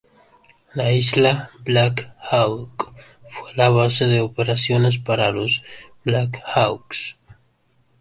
La Isla Blackhawk fue la base de operaciones para los Blackhawks.